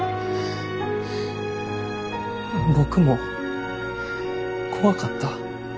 僕も怖かった。